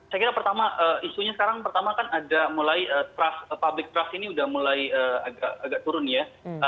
saya kira pertama isunya sekarang pertama kan ada mulai trust public trust ini sudah mulai agak turun ya